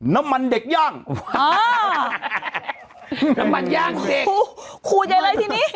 น้ำมันเด็กย่างน้ำมันย่างเด็กขูดใจอะไรที่นี้